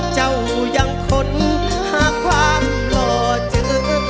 เจ้ายังค้นหากความหล่อเจอ